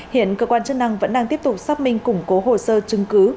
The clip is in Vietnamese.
hiện cơ quan chức năng vẫn đang tiếp tục xác minh củng cố hồ sơ chứng cứ